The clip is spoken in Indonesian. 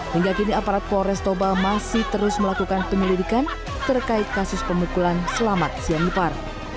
hingga kini aparat polres toba masih terus melakukan penyelidikan terkait kasus pemukulan selamat siangipar